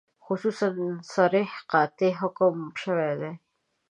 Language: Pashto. خصوصاً صریح قاطع حکم شوی دی.